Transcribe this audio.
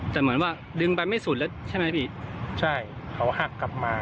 แต่เหมือนว่าดึงไปไม่สุดแล้วใช่ไหมพี่ใช่เขาหักกลับมา